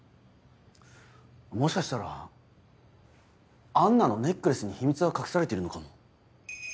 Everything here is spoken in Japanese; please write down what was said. もしかしたらアンナのネックレスに秘密が隠されてるのかも。